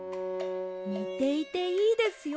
ねていていいですよ。